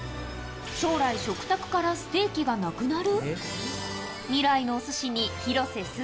将来、食卓からステーキがなくなる？